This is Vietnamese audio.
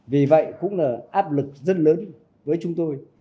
vì vậy cũng là áp lực rất lớn với chúng tôi